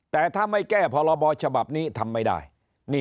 แต่ถ้าไม่แก้พรบฉบับนี้ทำไม่ได้